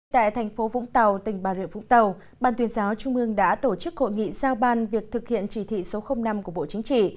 tại thành phố vũng tàu tỉnh bà rịa vũng tàu ban tuyên giáo trung ương đã tổ chức hội nghị giao ban việc thực hiện chỉ thị số năm của bộ chính trị